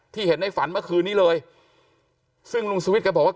เห็นในฝันเมื่อคืนนี้เลยซึ่งลุงสวิทย์แกบอกว่า